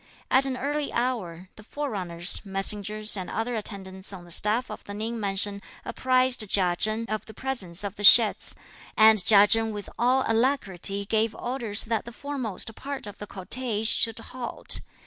At an early hour, the forerunners, messengers and other attendants on the staff of the Ning mansion apprised Chia Chen (of the presence of the sheds), and Chia Chen with all alacrity gave orders that the foremost part of the cortege should halt.